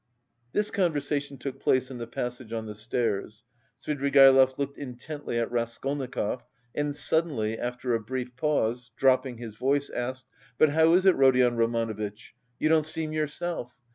This conversation took place in the passage on the stairs. Svidrigaïlov looked intently at Raskolnikov and suddenly, after a brief pause, dropping his voice, asked: "But how is it, Rodion Romanovitch; you don't seem yourself?